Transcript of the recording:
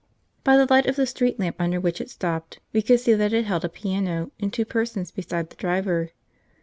By the light of the street lamp under which it stopped we could see that it held a piano and two persons beside the driver.